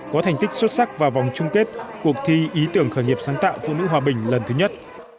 có thành tích xuất sắc vào vòng chung kết cuộc thi ý tưởng khởi nghiệp sáng tạo phụ nữ hòa bình lần thứ nhất